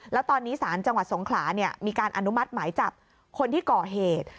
แล้วตอนนี้ศาลจังหวัดสงขลาเนี่ยมีการอนุมัติหมายจับคนที่ก่อเหตุ